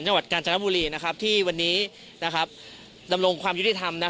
จังหวัดกาญจนบุรีที่วันนี้ดำรงความยุติธรรม